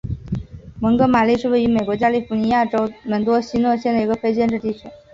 蒙哥马利是位于美国加利福尼亚州门多西诺县的一个非建制地区。